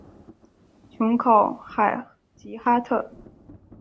琼考海吉哈特。